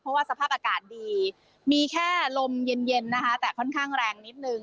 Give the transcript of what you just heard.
เพราะว่าสภาพอากาศดีมีแค่ลมเย็นเย็นนะคะแต่ค่อนข้างแรงนิดนึง